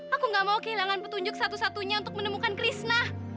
aku gak mau kehilangan petunjuk satu satunya untuk menemukan krishna